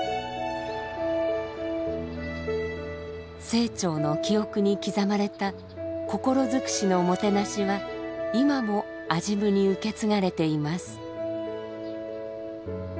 清張の記憶に刻まれた心尽くしのもてなしは今も安心院に受け継がれています。